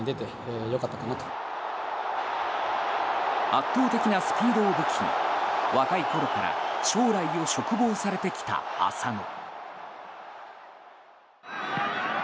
圧倒的なスピードを武器に若いころから将来を嘱望されてきた浅野。